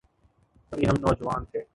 ابھی ہم نوجوان تھے۔